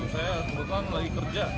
saya sebetulnya lagi kerja